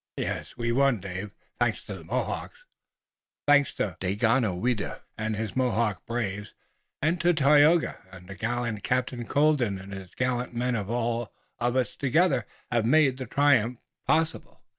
Yes, we've won, Dave, thanks to the Mohawks." "Thanks to Daganoweda and his brave Mohawks, and to Tayoga, and to the gallant Captain Colden and his gallant men. All of us together have made the triumph possible.